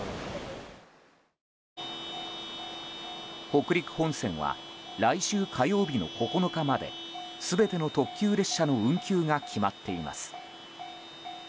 北陸本線は来週火曜日の９日まで全ての特急列車の運休が決まっています。